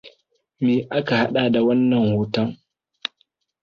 Me aka haɗa da wannan rahoton?